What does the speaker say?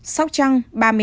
sóc trăng ba mươi tám